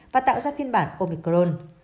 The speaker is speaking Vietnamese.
và tạo ra phiên bản omicron